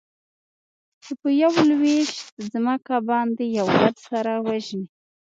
چې په يوه لوېشت ځمکه باندې يو بل سره وژني.